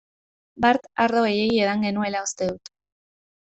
Bart ardo gehiegi edan genuela uste dut.